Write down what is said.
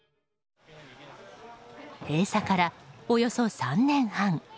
閉鎖からおよそ３年半。